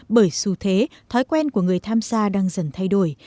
bởi xu thế thói quen của người tham gia đang dần thay đổi